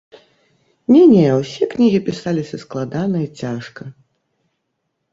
Не-не, усе кнігі пісаліся складана і цяжка.